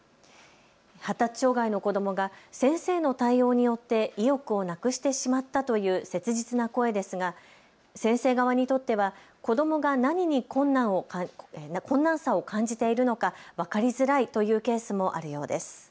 発達障害の子どもが先生の対応によって意欲をなくしてしまったという切実な声ですが先生側にとっては子どもが何に困難さを感じているのか分かりづらいというケースもあるようです。